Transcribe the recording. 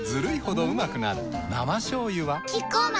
生しょうゆはキッコーマン